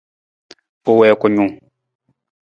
U wii kunung.